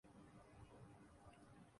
آشفتہ سر ہیں محتسبو منہ نہ آئیو